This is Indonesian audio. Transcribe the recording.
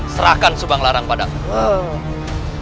serahkan subang larang padaku